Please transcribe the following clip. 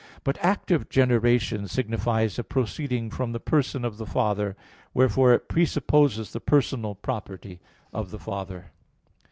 But active generation signifies a proceeding from the person of the Father; wherefore it presupposes the personal property of the Father.